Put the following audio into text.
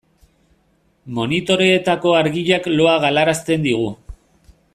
Monitoreetako argiak loa galarazten digu.